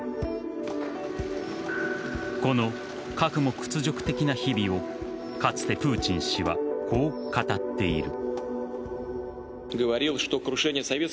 この、かくも屈辱的な日々をかつてプーチン氏はこう語っている。